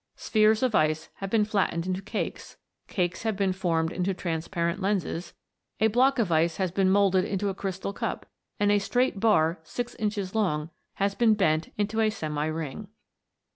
Spheres of ice have been flattened into cakes, cakes have been formed into transparent lenses, a block of ice has been moulded into a crystal cup, and a straight bar six inches long has been bent into a semi ring.